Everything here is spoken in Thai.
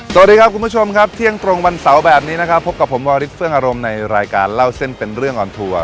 สวัสดีครับคุณผู้ชมครับเที่ยงตรงวันเสาร์แบบนี้นะครับพบกับผมวาริสเฟื่องอารมณ์ในรายการเล่าเส้นเป็นเรื่องออนทัวร์